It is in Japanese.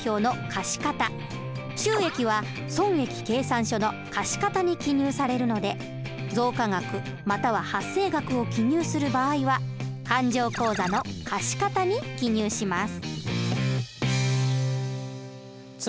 収益は損益計算書の貸方に記入されるので増加額または発生額を記入する場合は勘定口座の貸方に記入します。